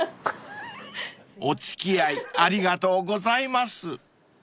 ［お付き合いありがとうございます］